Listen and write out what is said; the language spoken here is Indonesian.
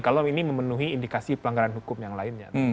kalau ini memenuhi indikasi pelanggaran hukum yang lainnya